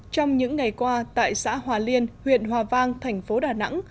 trong những ngày qua tại xã hòa liên huyện hòa vang thành phố đà nẵng